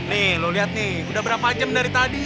nih lo lihat nih udah berapa jam dari tadi